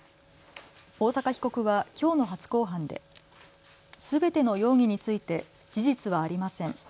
大坂被告はきょうの初公判ですべての容疑について事実はありません。